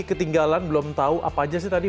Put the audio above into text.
ketinggalan belum tahu apa aja sih tadi